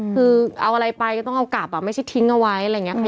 คือเอาอะไรไปก็ต้องเอากลับไม่ใช่ทิ้งเอาไว้อะไรอย่างนี้